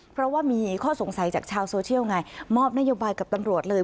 เพราะว่ามีข้อสงสัยจากชาวโซเชียลไงมอบนโยบายกับตำรวจเลย